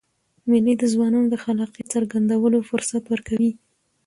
مېلې د ځوانانو د خلاقیت څرګندولو فرصت ورکوي.